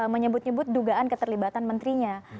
menyebut nyebut dugaan keterlibatan menterinya